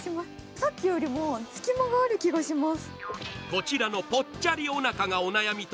さっきよりも隙間がある感じがします。